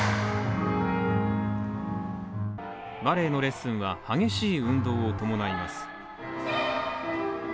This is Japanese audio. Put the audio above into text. バレエのレッスンは激しい運動を伴います。